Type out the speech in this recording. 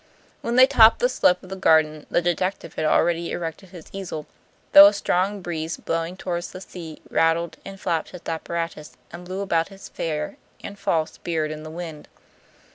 When they topped the slope of the garden the detective had already erected his easel, though a strong breeze blowing toward the sea rattled and flapped his apparatus and blew about his fair (and false) beard in the wind.